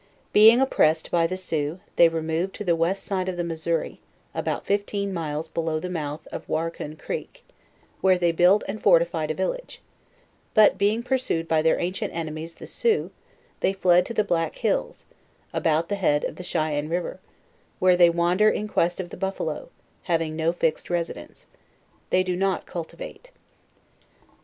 Being oppressed by the Sioux, they removed to the west side of the Missouri, about fifteen miles below the mouth of Warrecunne creek, where they built and fortified a vil lage, but being pursued by their ancient enemies the Sioux, they fled to the Black hills, about the head of the Chyanne river, where they wander in quest of the buffaloe, having no fixed residence. They do not cultivate.